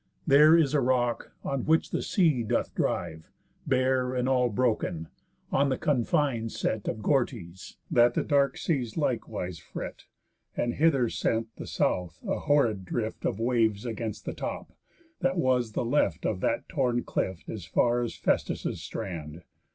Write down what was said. There is a rock, on which the sea doth drive, Bare, and all broken, on the confines set Of Gortys, that the dark seas likewise fret; And hither sent the South a horrid drift Of waves against the top, that was the left Of that torn cliff as far as Phæstus' strand.